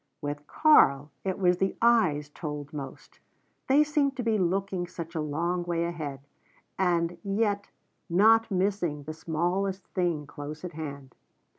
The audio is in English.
With Karl it was the eyes told most. They seemed to be looking such a long way ahead, and yet not missing the smallest thing close at hand.